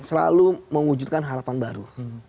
selalu mengujudkan harapan baru